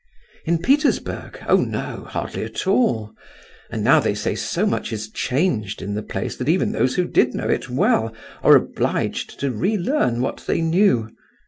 "In Petersburg? Oh no! hardly at all, and now they say so much is changed in the place that even those who did know it well are obliged to relearn what they knew.